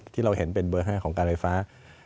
ที่เราเห็นเป็นเบอร์๕ของการไฟฟ้า